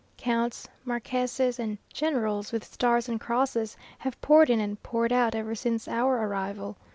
Counts, marquesses, and generals, with stars and crosses, have poured in and poured out ever since our arrival.